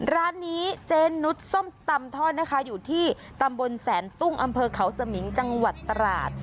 ร้านนี้เจนุสส้มตำทอดนะคะอยู่ที่ตำบลแสนตุ้งอำเภอเขาสมิงจังหวัดตราด